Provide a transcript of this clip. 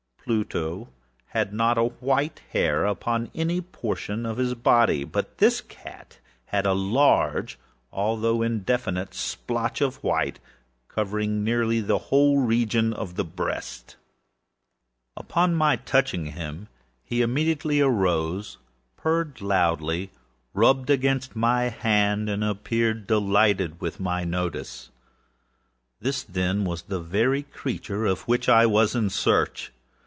Pluto had not a white hair upon any portion of his body; but this cat had a large, although indefinite splotch of white, covering nearly the whole region of the breast. Upon my touching him, he immediately arose, purred loudly, rubbed against my hand, and appeared delighted with my notice. This, then, was the very creature of which I was in search.